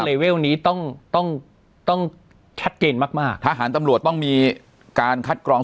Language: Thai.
เวลนี้ต้องต้องชัดเจนมากมากทหารตำรวจต้องมีการคัดกรอง